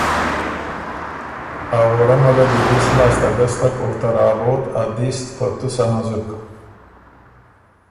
ا ووړمه له دی دِست لاسته ګستک او ته رابوت ا دِست په تُسه هنزُک۔